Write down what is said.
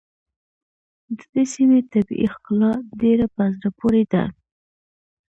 د دې سيمې طبیعي ښکلا ډېره په زړه پورې ده.